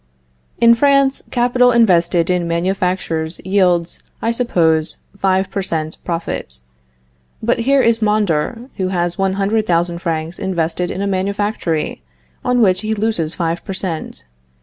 In France, capital invested in manufactures yields, I suppose, five per cent. profit. But here is Mondor, who has one hundred thousand francs invested in a manufactory, on which he loses five per cent.